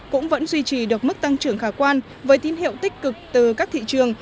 cũng vẫn duy trì được mức tăng trưởng khả quan với tín hiệu tích cực từ các thị trường